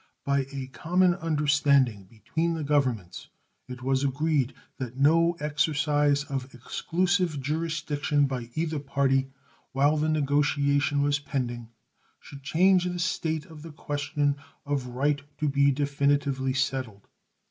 By a common understanding between the Governments it was agreed that no exercise of exclusive jurisdiction by either party while the negotiation was pending should change the state of the question of right to be definitively settled.